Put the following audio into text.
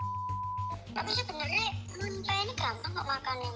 menurut saya ini gampang kok makannya mbak